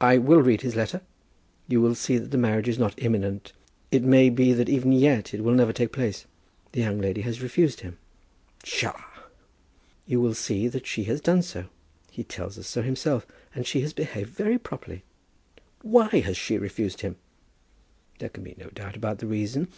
"I will read his letter." "You will see that the marriage is not imminent. It may be that even yet it will never take place. The young lady has refused him." "Psha!" "You will see that she has done so. He tells us so himself. And she has behaved very properly." "Why has she refused him?" "There can be no doubt about the reason.